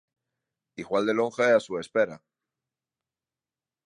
Igual de longa é a súa espera.